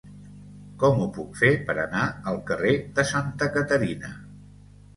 Com ho puc fer per anar al carrer de Santa Caterina?